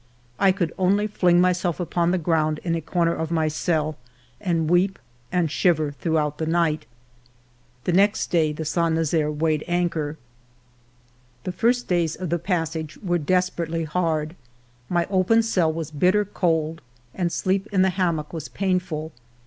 I could only fling myself upon the ground in a corner of my cell and weep and shiver throughout the night. The next day the Saint Nazaire weighed anchor. •)<; CO Q H fa O A. VII THE JOURNEY TO THE ILES DU SALUT THE first days of the passage were des perately hard. My open cell was bitter cold, and sleep in the hammock v/as painful.